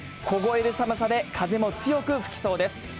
凍える寒さで、風も強く吹きそうです。